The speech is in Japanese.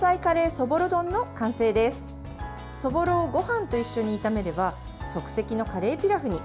そぼろをごはんと一緒に炒めれば即席のカレーピラフに。